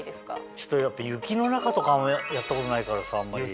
ちょっと雪の中とかやったことないからさあんまり。